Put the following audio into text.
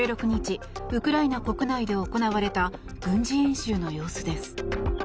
１６日ウクライナ国内で行われた軍事演習の様子です。